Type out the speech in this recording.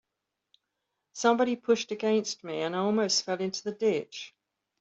Somebody pushed against me, and I almost fell into the ditch.